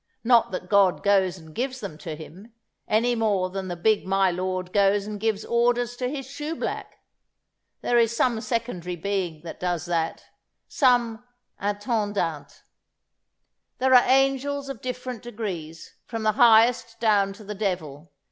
Not that God goes and gives them to him, any more than the big my lord goes and gives orders to his shoe black. There is some secondary being that does that some intendant. "There are angels of different degrees, from the highest down to the devil.